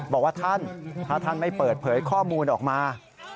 บอกว่าท่านถ้าท่านไม่เปิดเผยข้อมูลออกมา